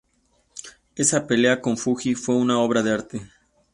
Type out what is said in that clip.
Esa pelea con Fuji fue una obra de arte.